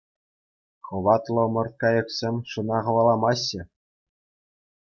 Хӑватлӑ ӑмӑрткайӑксем шӑна хӑваламаҫҫӗ.